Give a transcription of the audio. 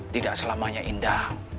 tidak selamanya indah